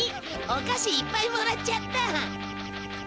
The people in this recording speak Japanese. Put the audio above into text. おかしいっぱいもらっちゃった。